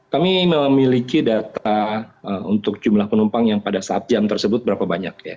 kami memiliki data untuk jumlah penumpang yang pada saat jam tersebut berapa banyak ya